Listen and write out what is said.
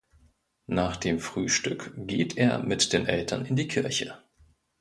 Nach dem Frühstück geht er mit den Eltern in die Kirche.